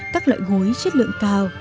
các loại gối chất lượng cao